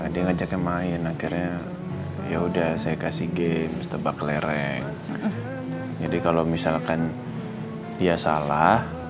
dia ngajaknya main akhirnya ya udah saya kasih game setebak lereng jadi kalau misalkan dia salah